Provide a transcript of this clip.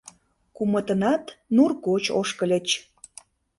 Кумытынат нур гоч ошкыльыч.